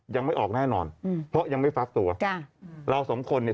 ยังไม่ออกแน่นอนอืมเพราะยังไม่ฟักตัวจ้ะเราสองคนเนี่ย